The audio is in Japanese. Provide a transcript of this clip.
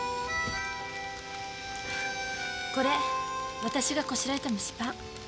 これ私がこしらえた蒸しパン。